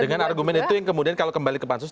dengan argumen itu yang kemudian kalau kembali ke pansus